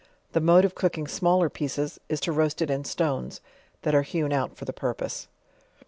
The mode of cooking smaller pieces, is to roast it in stones, that are hewn out for the purpose.